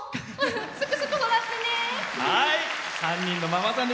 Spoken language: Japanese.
すくすく育ってね！